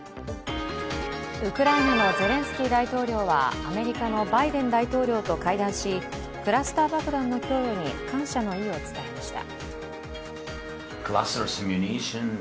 ウクライナのゼレンスキー大統領はアメリカのバイデン大統領と会談し、クラスター爆弾の供与に感謝の意を伝えました。